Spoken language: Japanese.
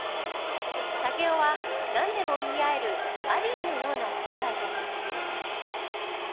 竹雄は何でも言い合えるバディーのような存在です。